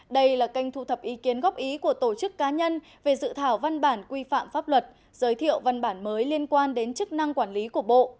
đây là kênh thu thập ý kiến góp ý của tổ chức cá nhân về dự thảo văn bản quy phạm pháp luật giới thiệu văn bản mới liên quan đến chức năng quản lý của bộ